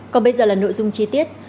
còn bây giờ là nội dung chi tiết